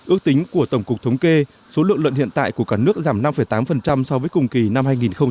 ước tính của tổng cục thống kê số lượng lợn hiện tại của cả nước giảm năm tám so với cùng kỳ năm hai nghìn một mươi tám